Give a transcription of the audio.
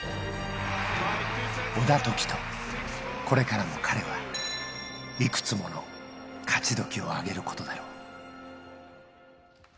小田凱人、これからも彼はいくつものかちどきをあげることだろう。